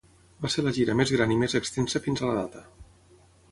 Va ser la gira més gran i més extensa fins a la data.